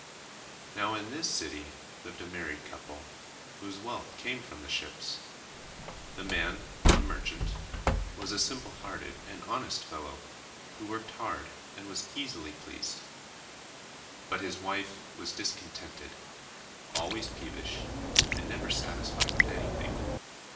Now in this city lived a married couple, whose wealth came from the ships. The man, a merchant, was a simple hearted and honest fellow, who worked hard and was easily pleased. But his wife was discontented, always peevish and never satisfied with anything.